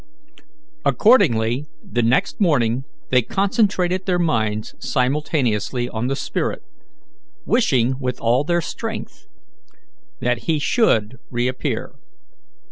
Accordingly, the next morning they concentrated their minds simultaneously on the spirit, wishing with all their strength that he should reappear.